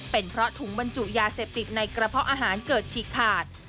เป็นเพราะถุงบรรจุยาเสพติดในกระเพาะอาหารเกิดฉีกขาด